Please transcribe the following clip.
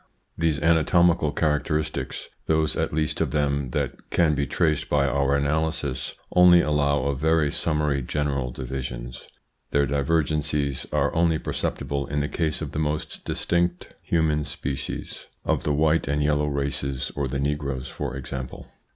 These anatomical characteristics, those at least of them that can be traced by our analysis, only allow of very summary general divisions. Their divergencies are only perceptible in the case of the most distinct ITS INFLUENCE ON THEIR EVOLUTION 5 human species ; of the white and yellow races, or the negroes for example.